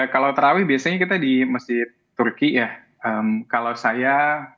kalau terawih biasanya kita di masjid turki ya kalau saya